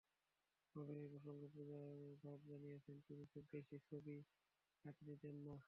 অভিনয় প্রসঙ্গে পূজা ভাট জানিয়েছেন, তিনি খুব বেশি ছবি হাতে নিতেন না।